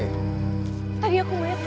tadi aku melihat